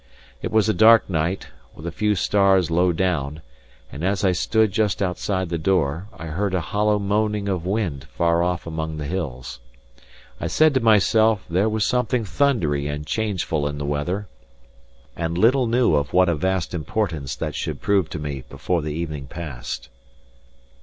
It was a dark night, with a few stars low down; and as I stood just outside the door, I heard a hollow moaning of wind far off among the hills. I said to myself there was something thundery and changeful in the weather, and little knew of what a vast importance that should prove to me before the evening passed.